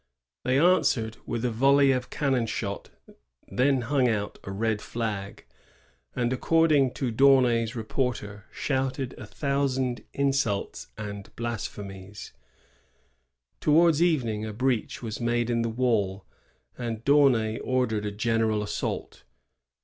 ^ They answered with a volley of can nouHshoty then hung out a red flag, and, according to D'Aunay's reporter, shouted a thousand insults and blasphemies " I ^ Towards evening a breach, was made in the wall, and D'Aunay ordered a general assault.